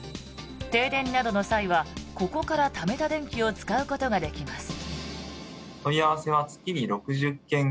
停電などの際はここからためた電気を使うことができます。